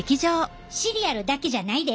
シリアルだけじゃないで。